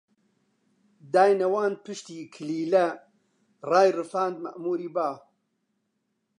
داینەواند پشتی کلیلە، ڕایڕفاند مەئمووری با